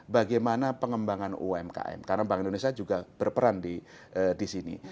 bagaimana pengembangan umkm karena bank indonesia juga berperan di sini